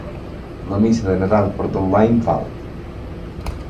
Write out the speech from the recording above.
La Missa de Nadal per tot l'any val.